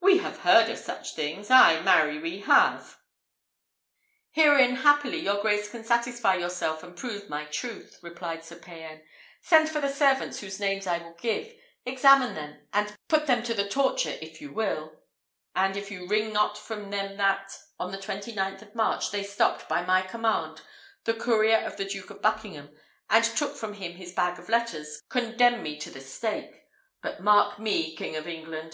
We have heard of such things ay, marry have we." "Herein, happily, your grace can satisfy yourself and prove my truth," replied Sir Payan; "send for the servants whose names I will give, examine them, put them to the torture if 'you will; and if you wring not from them that, on the twenty ninth of March, they stopped, by my command, the courier of the Duke of Buckingham, and took from him his bag of letters, condemn me to the stake. But mark me, King of England!